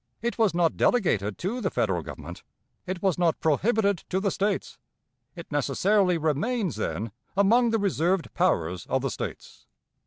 It was not delegated to the Federal Government; it was not prohibited to the States; it necessarily remains, then, among the reserved powers of the States.